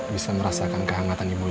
bisa merasakan kehangatan ibunya